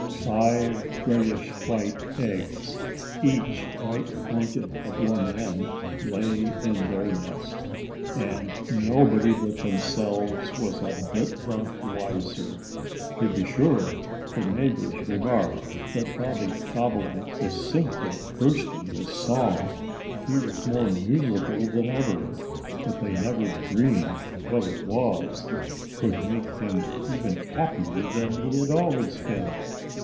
Five grayish white eggs, each quite pointed at one end, lay in their nest. And nobody but themselves was a bit the wiser. To be sure, the neighbors remarked that Bobby Bobolink was simply bursting with song. He was more musical than ever. But they never dreamed what it was that could make him even happier than he had always been.